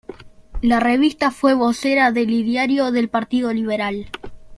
La revista fue vocera del ideario del Partido Liberal.